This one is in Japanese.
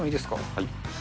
はい。